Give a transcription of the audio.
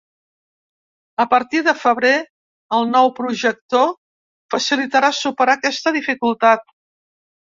A partir de febrer, el nou projector facilitarà superar aquesta dificultat.